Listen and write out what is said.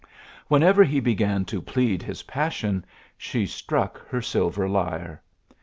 Whenever he began to plead his passion, she struck her silver lyre.